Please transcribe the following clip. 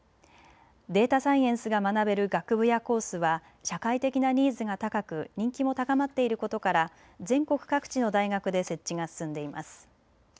データサイエンスが学べる学部やコースは社会的なニーズが高く人気も高まっていることから全国各地の大学で設置が進んでいます。